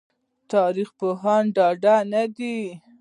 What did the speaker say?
تاريخ پوهان ډاډه نه دي